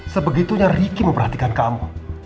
sebegitunya riki memperhatikan kamu